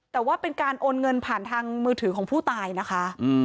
แต่ว่าเป็นการโอนเงินผ่านทางมือถือของผู้ตายนะคะ